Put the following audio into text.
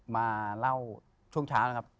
มาเล่าช่วงเช้านะครับ